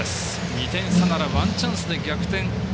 ２点差なら、ワンチャンスで逆転。